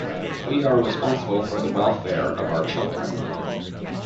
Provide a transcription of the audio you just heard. We are responsible for the welfare of our children.